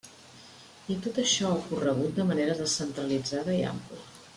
I tot això ha ocorregut de manera descentralitzada i ampla.